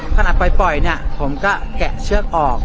ขนาดปล่อยผมก็แกะเชือกออก